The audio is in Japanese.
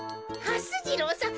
はす次郎さん